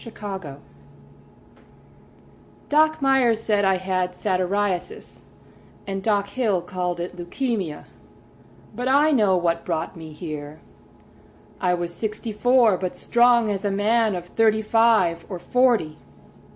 Isa Nutter Doc Meyers said I had satyriasis, And Doc Hill called it leucæmia— But I know what brought me here: I was sixty four but strong as a man Of thirty five or forty.